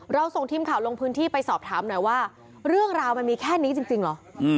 ส่งทีมข่าวลงพื้นที่ไปสอบถามหน่อยว่าเรื่องราวมันมีแค่นี้จริงเหรอ